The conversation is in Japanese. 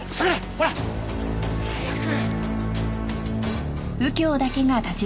ほら！早く！